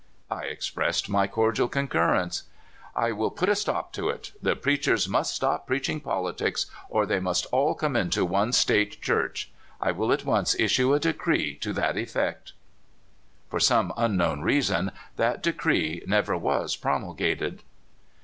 I expressed my cordial concurrence. *'I will put a stop to it. The preachers must stop preaching politics, or they must all come into one State Church. I will at once issue a decree to that effect." 2r8 CALIFORNIA SKETCHES. For some unknown reason, that decree never was promulgated.